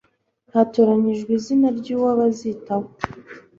hatoranyijwe izina ryuwo bazitaho